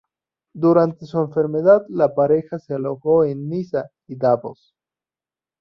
Durante su enfermedad, la pareja se alojó en Niza y Davos.